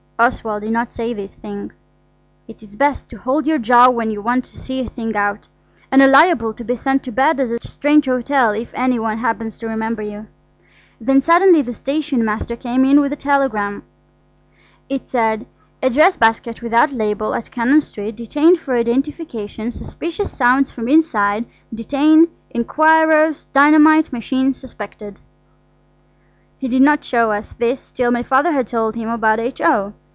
Oswald did not say these things. It is best to hold your jaw when you want to see a thing out, and are liable to be sent to bed at a strange hotel if any one happens to remember you. Then suddenly the station master came with a telegram. It said: "A dress basket without label at Cannon Street detained for identification suspicious sounds from inside detain inquirers dynamite machine suspected." He did not show us this till my Father had told him about H.O.